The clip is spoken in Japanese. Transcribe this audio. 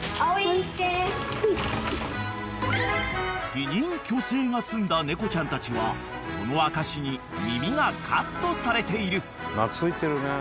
［避妊去勢が済んだ猫ちゃんたちはその証しに耳がカットされている］